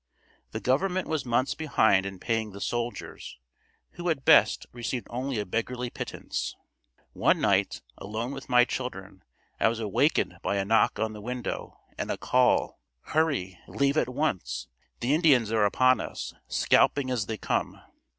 The government was months behind in paying the soldiers, who at best received only a beggarly pittance. One night, alone with my children, I was awakened by a knock on the window and a call, "Hurry! Leave at once. The Indians are upon us, scalping as they come."